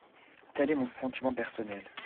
Tel est mon sentiment personnel.